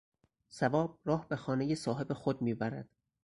ثواب راه به خانهٔ صاحب خود میبرد.